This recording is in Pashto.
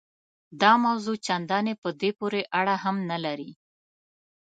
دا موضوع چنداني په دې پورې اړه هم نه لري.